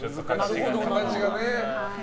この形がね。